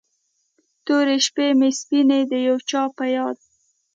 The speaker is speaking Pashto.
تورې شپې مې سپینې د یو چا په یاد